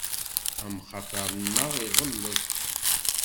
Amxaṭer-nneɣ iɣellet.